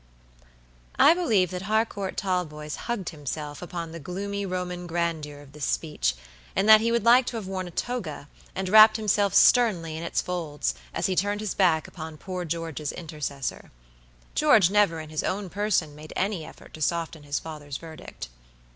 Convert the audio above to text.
I believe that Harcourt Talboys hugged himself upon the gloomy Roman grandeur of this speech, and that he would like to have worn a toga, and wrapped himself sternly in its folds, as he turned his back upon poor George's intercessor. George never in his own person made any effort to soften his father's verdict.